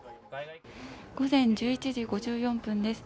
午前１１時５４分です。